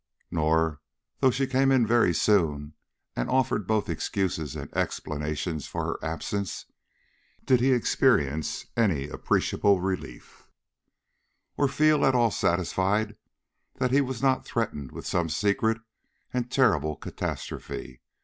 Nor, though she came in very soon and offered both excuses and explanations for her absence, did he experience any appreciable relief, or feel at all satisfied that he was not threatened with some secret and terrible catastrophe.